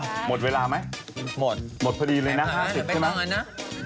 น่ะหมดเวลาไหมหมดพอดีเลยนะ๕๐นะเพียงตั้งนะ